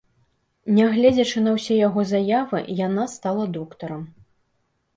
Нягледзячы на ўсе яго заявы, яна стала доктарам.